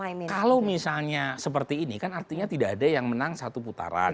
kalau misalnya seperti ini kan artinya tidak ada yang menang satu putaran